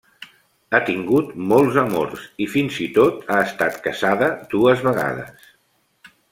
Ha tingut molts amors i fins i tot ha estat casada dues vegades.